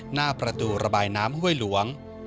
หน้าประตูระบายน้ำห้วยหลวง